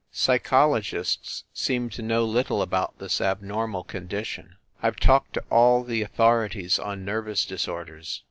Psychologists seem to know little about this abnormal condition. I ve talked to all the authorities on nervous disorders.